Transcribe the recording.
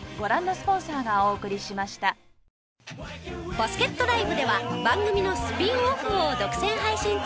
バスケットＬＩＶＥでは番組のスピンオフを独占配信中。